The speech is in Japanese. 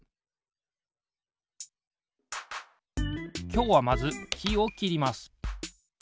きょうはまずきをきります。